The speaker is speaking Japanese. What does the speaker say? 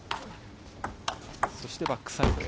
そしてバックサイドへ。